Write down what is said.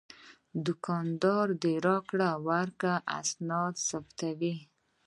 دوکاندار د راکړې ورکړې اسناد ثبتوي.